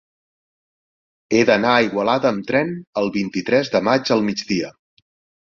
He d'anar a Igualada amb tren el vint-i-tres de maig al migdia.